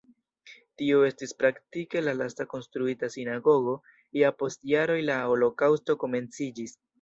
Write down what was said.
Tio estis praktike la lasta konstruita sinagogo, ja post jaroj la holokaŭsto komenciĝis.